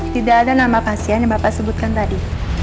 tidak ada nama pasien yang bapak sebutkan tadi